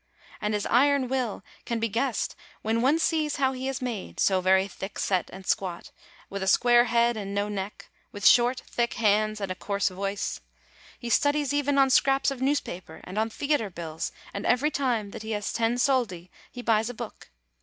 And his iron will can be guessed when one sees how he is made, so very thick set and squat, with a square head and no neck, with short, thick hands, and coarse voice. He studies even on scraps of newspaper, and on theatre bills, and every time that he has ten soldi, he buys a book.